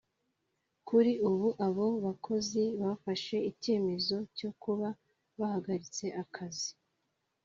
Kuri ubu abo bakozi bafashe icyemezo cyo kuba bahagaritse akazi